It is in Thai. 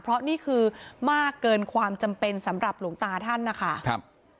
เพราะนี่คือมากเกินความจำเป็นสำหรับหลวงตาท่านนะคะครับ